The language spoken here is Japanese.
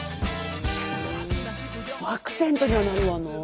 アクセントにはなるわなあ。